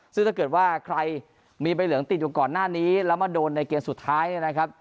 ซึ่งถ้าเกิดว่าใครมีใบเหลืองติดอยู่ก่อนหน้านี้แล้วมาโดนในเกมสุดท้ายเนี่ยนะครับ